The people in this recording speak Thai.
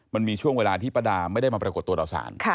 มันมีช่วงเวลาที่ป้าดาไม่ได้มาปรากฏตัวต่อสาร